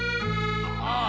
ああ